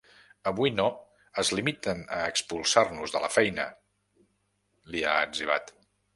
Avui no, es limiten a expulsar-nos de la feina, li ha etzibat.